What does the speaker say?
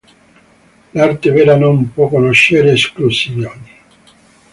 L’arte vera non può conoscere esclusioni.